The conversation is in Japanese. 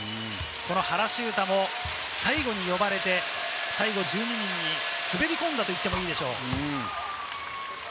原修太も最後に呼ばれて１２人に滑り込んだと言ってもいいでしょう。